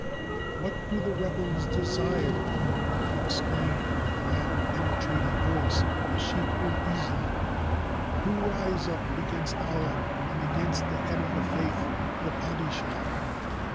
"What do the rebels desire," exclaimed, with a loud, penetrating voice the Sheik ul Islam, "who rise up against Allah and against the Head of the Faith, the padishah?